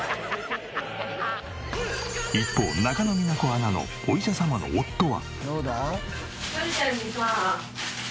一方中野美奈子アナのお医者様の夫は。